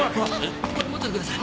これ持っててください。